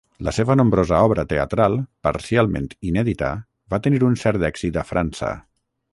La seva nombrosa obra teatral, parcialment inèdita, va tenir un cert èxit a França.